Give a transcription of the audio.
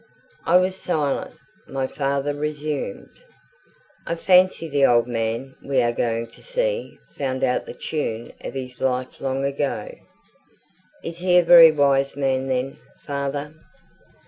I was silent. My father resumed. "I fancy the old man we are going to see found out the tune of his life long ago." "Is he a very wise man then, father?"